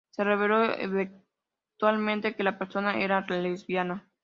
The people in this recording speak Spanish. Se reveló eventualmente que la personaje era lesbiana.